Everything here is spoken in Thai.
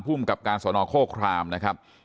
พุ่มกับการสวนอคโครคลามนะครับ